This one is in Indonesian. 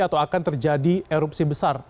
atau akan terjadi erupsi besar